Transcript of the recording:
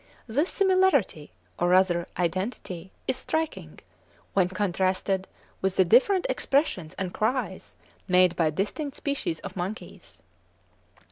This similarity, or rather identity, is striking, when contrasted with the different expressions and cries made by distinct species of monkeys.